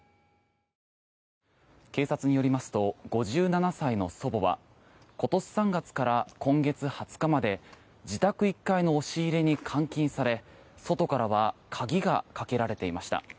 警察によりますと５７歳の祖母は今年３月から今月２０日まで自宅１階の押し入れに監禁され外からは鍵がかけられていました。